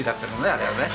あれはね。